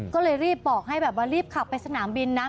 ก็เลยรีบบอกให้แบบว่ารีบขับไปสนามบินนะ